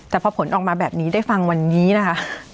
แต่พอผลออกมาแบบนี้ได้ฟังวันนี้นะคะ